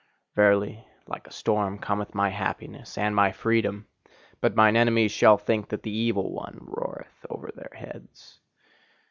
Verily, like a storm cometh my happiness, and my freedom! But mine enemies shall think that THE EVIL ONE roareth over their heads.